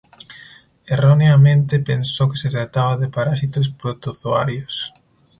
Erróneamente pensó que se trataba de parásitos protozoarios.